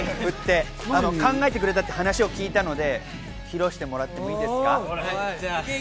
考えてくれたって話を聞いたので、披露してもらっていいですか？